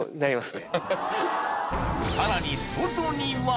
さらに外には。